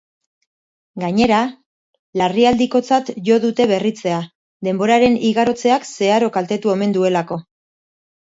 Gainera, larrialdikotzat jo dute berritzea, denboraren igarotzeak zeharo kaltetu omen duelako.